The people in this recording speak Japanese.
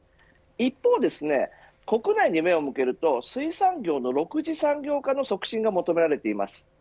一方ですね、国内に目を向けると水産業の６次産業化の促進が求められています。